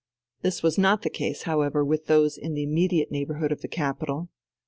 This was not the case, however, with those in the immediate neighbourhood of the capital.